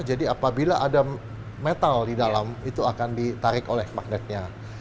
jadi apabila ada metal di dalam itu akan ditarik oleh magnetnya